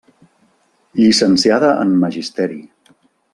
Llicenciada en magisteri.